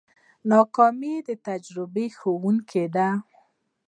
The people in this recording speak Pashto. ناکامي د تجربې ښوونکې ده.